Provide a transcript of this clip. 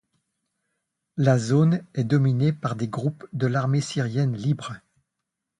La zone est dominée par des groupes de l'Armée syrienne libre.